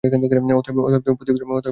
অতএব, তুমি প্রতিবিধান কর।